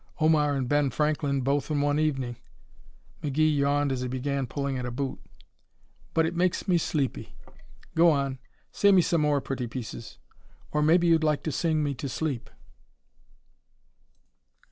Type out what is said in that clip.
Omar and Ben Franklin both in one evening!" McGee yawned as he began pulling at a boot. "But it makes me sleepy. Go on, say me some more pretty pieces. Or maybe you'd like to sing me to sleep."